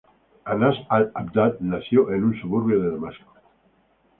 Anas al-Abdah Nació en un suburbio de Damasco.